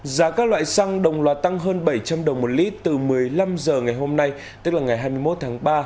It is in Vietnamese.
giá các loại xăng đồng loạt tăng hơn bảy trăm linh đồng một lít từ một mươi năm h ngày hôm nay tức là ngày hai mươi một tháng ba